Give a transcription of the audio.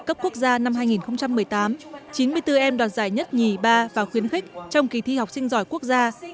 cấp quốc gia năm hai nghìn một mươi tám chín mươi bốn em đoạt giải nhất nhì ba và khuyến khích trong kỳ thi học sinh giỏi quốc gia